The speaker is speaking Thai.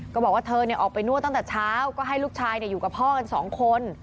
บอกว่าเธอออกไปนวดตั้งแต่เช้าก็ให้ลูกชายอยู่กับพ่อกันสองคน